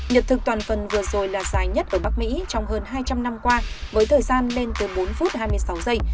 nhật thực toàn phần vừa rồi là dài nhất ở bắc mỹ trong hơn hai trăm linh năm qua với thời gian lên từ bốn phút hai mươi sáu giây